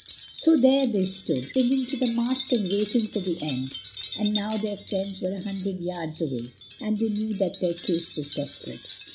So there they stood, clinging to the mast and waiting for the end, for now their friends were a hundred yards away, and they knew that their case was desperate.